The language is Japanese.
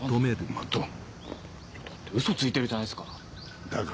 だってウソついてるじゃないですか。